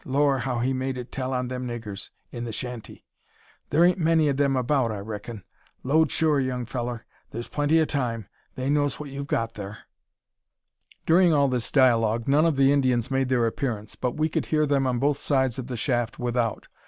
Lor'! how he made it tell on them niggers i' the shanty! Thur ain't many o' them about, I reckin. Load sure, young fellur! Thur's plenty o' time. They knows what you've got thur." During all this dialogue none of the Indians made their appearance, but we could hear them on both sides of the shaft without.